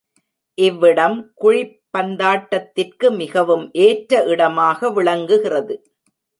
இவ்விடம் குழிப் பந்தாட்டத்திற்கு மிகவும் ஏற்ற இடமாக விளங்குகிறது.